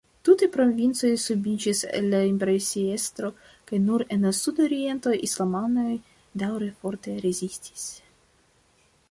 Tutaj provincoj subiĝis al la imperiestro kaj nur en sud-oriento islamanoj daŭre forte rezistis.